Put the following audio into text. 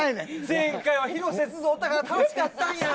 前回は広瀬すずおったから楽しかったんや。